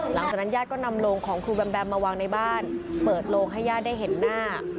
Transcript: หลังจากนั้นญาติก็นำโลงของครูแบมแบมมาวางในบ้านเปิดโลงให้ญาติได้เห็นหน้า